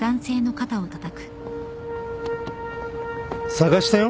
捜したよ